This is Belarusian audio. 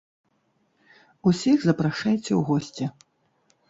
Усіх запрашайце ў госці.